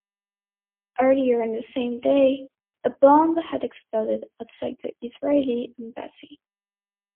Earlier on the same day, a bomb had exploded outside the Israeli embassy.